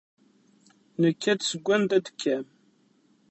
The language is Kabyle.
Nekka-d seg wanda d-tekkam.